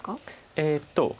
えっと。